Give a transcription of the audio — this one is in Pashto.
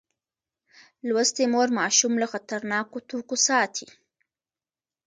لوستې مور ماشوم له خطرناکو توکو ساتي.